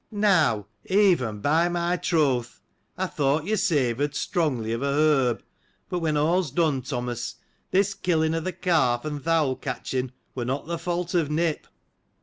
— Now, even, by my troth ! I thought you savoured strongly of a herb ; but, when all's done, Thomas, this kill ing o' th' calf, and th' owl catching, were not the fault of Nip.